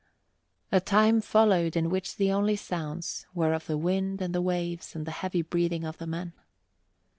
A time followed in which the only sounds were of the wind and the waves and the heavy breathing of the men.